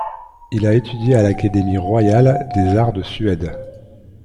Il a étudié à l'académie royale des arts de Suède.